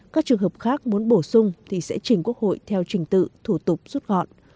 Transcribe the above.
các trường hợp khác muốn bổ sung thì sẽ chỉnh quốc hội theo trình tự thủ tục rút gọn